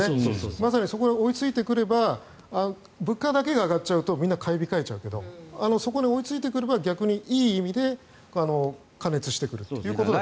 まさにそこが追いついてくれば物価だけ上がると買い控えちゃうけど追いついてくれば逆にいい意味で過熱してくるということだと。